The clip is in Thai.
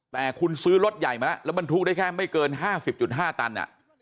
แต่คุณซื้อรถใหญ่มาแล้วแล้วบรรทุกได้แค่ไม่เกิน๕๐๕ตัน